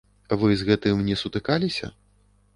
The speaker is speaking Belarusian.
Вы з гэтым не сутыкаліся?